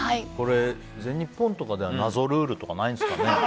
全日本とかでは謎ルールとかないんですかね？